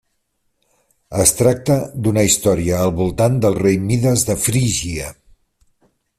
Es tracta d'una història al voltant del rei Mides de Frígia.